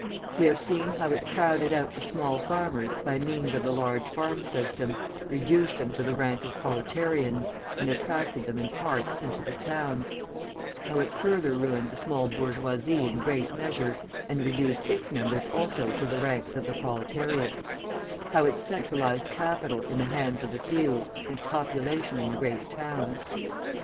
We have seen how it crowded out the small farmers by means of the large farm system, reduced them to the rank of proletarians, and attracted them in part into the towns; how it further ruined the small bourgeoisie in great measure and reduced its members also to the ranks of the proletariat; how it centralised capital in the hands of the few, and population in the great towns.